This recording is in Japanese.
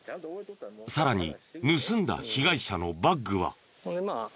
さらに盗んだ被害者のバッグは。